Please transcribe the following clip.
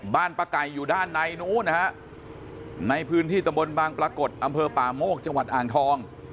ป้าไก่อยู่ด้านในนู้นนะฮะในพื้นที่ตะบนบางปรากฏอำเภอป่าโมกจังหวัดอ่างทอง